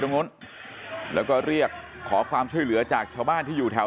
ตรงนู้นแล้วก็เรียกขอความช่วยเหลือจากชาวบ้านที่อยู่แถว